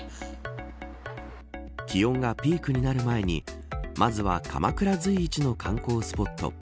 気温がピークになる前にまずは鎌倉随一の観光スポット